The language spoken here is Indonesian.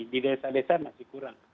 di desa desa masih kurang